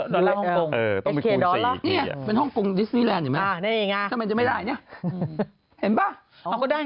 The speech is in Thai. ดรอลรัสห้องกงเออต้องไปกลัวอีก